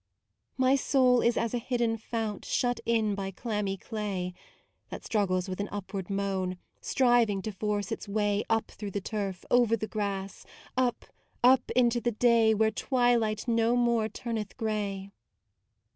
My soul is as a hidden fount Shut in by clammy clay, That struggles with an upward moan; Striving to force its way Up through the turf, over the grass, Up, up into the day, Where twilight no more turneth grey.